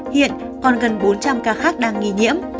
hiện còn gần bốn trăm linh ca khác đang ghi nhận